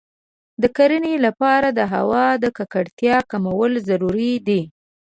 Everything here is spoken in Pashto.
د کرنې لپاره د هوا د ککړتیا کمول ضروري دی.